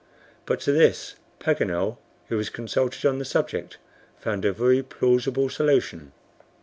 But to this, Paganel, who was consulted on the subject, found a very plausible solution.